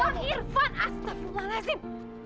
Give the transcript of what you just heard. bang irfan astagfirullahaladzim